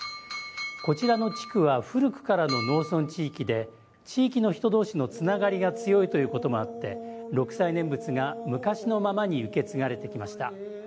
こちらの地区は古くからの農村地域で地域のつながりが強いということもあって六斎念仏が昔のままに受け継がれてきました。